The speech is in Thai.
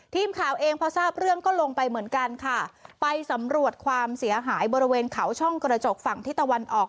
ทีมข่าวเองพอทราบเรื่องก็ลงไปเหมือนกันค่ะไปสำรวจความเสียหายบริเวณเขาช่องกระจกฝั่งที่ตะวันออก